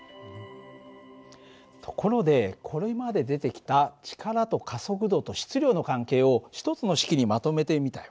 ところでこれまで出てきた力と加速度と質量の関係を１つの式にまとめてみたよ。